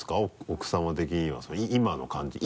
奥さま的には今の感じ？